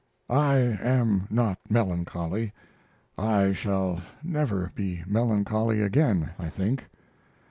I am not melancholy; I shall never be melancholy again, I think.